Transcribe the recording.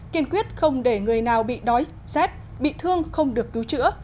kiên quyết không để người nào bị đói rét bị thương không được cứu chữa